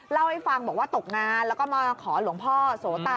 เล่าให้ฟังบอกว่าตกงานแล้วก็มาขอหลวงพ่อโสตา